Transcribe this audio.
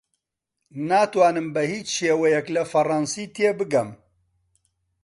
ناتوانم بە هیچ شێوەیەک لە فەڕەنسی تێبگەم.